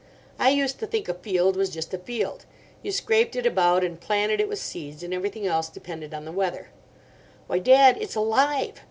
I used to think a field was just a field. You scraped it about and planted it with seeds, and everything else depended on the weather. Why, Dad, it's alive!